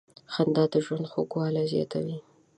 • خندا د ژوند خوږوالی زیاتوي.